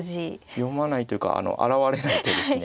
読まないというか現れない手ですね。